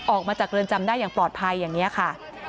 ออกมาจากเรือนจำได้อย่างปลอดภัยอย่างนี้ค่ะ